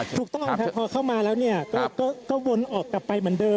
ถูกต้องพอเข้ามาแล้วก็วนกลับไปเหมือนเดิม